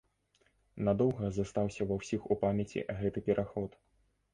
Надоўга застаўся ва ўсіх у памяці гэты пераход.